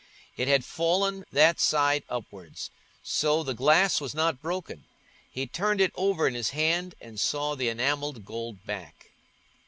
It had fallen that side upwards, so the glass was not broken. He turned it over on his hand, and saw the enamelled gold back.